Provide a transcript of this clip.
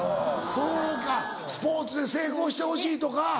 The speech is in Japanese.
そうかスポーツで成功してほしいとか。